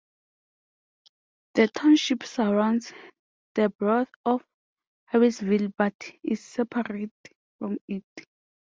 The township surrounds the borough of Harrisville but is separate from it.